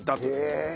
へえ。